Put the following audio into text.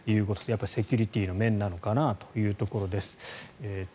やっぱりセキュリティーの面なのかなというところです。